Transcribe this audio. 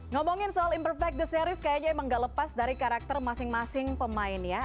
ngomongin soal imperfect the series kayaknya emang gak lepas dari karakter masing masing pemain ya